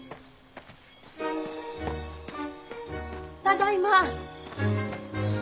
ただいま。